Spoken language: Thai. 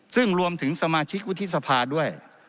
ซึ่งรวมถึงสมาชิกวุฒิสภาด้วย